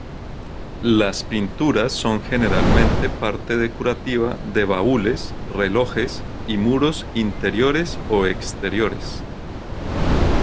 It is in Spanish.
Las pinturas son generalmente parte decorativa de baúles, relojes y muros interiores o exteriores.